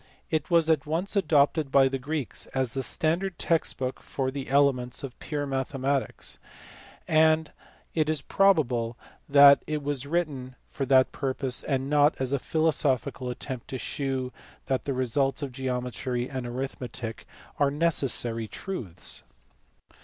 It was at once adopted by the Greeks as the standard text book for the elements of pure mathematics, and it is probable that it was written for that purpose and not as a philosophical attempt to shew that the results of geometry and arithmetic are necessary truths.